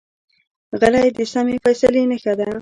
غلی، د سمې فیصلې نښه ده.